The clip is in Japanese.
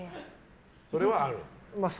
それはある？